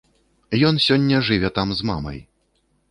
Ён сёння жыве там з мамай.